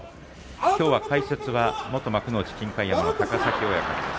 きょうは解説は元幕内金開山の高崎親方です。